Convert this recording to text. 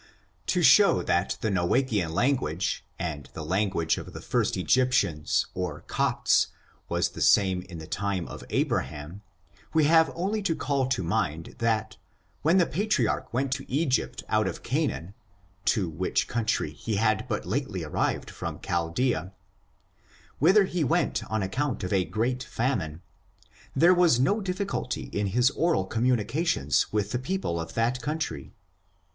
To show that the Noachian language, and the lan guage of the first Egyptians, or Copts, was the same in the time of Abraham, we have only to call to mind that, when the Patriarch went to Egypt out of Ca naan (to which country he had but lately arrived from Chaldea), whither he went on account of a great famine, there was no difficulty in his oral communi cations with the people of that country.